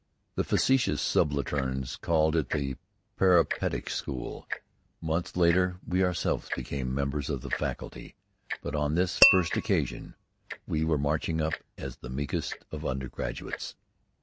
The facetious subalterns called it "The Parapet etic School." Months later, we ourselves became members of the faculty, but on this first occasion we were marching up as the meekest of undergraduates.